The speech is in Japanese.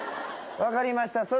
分かりました。